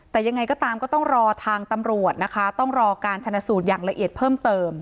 แต่ยังไงก็ตามก็ต้องรอทางตำรวจนะคะต้องรอการชนะสูตรอย่างละเอียดเพิ่มเติม